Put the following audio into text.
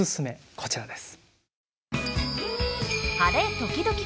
こちらです。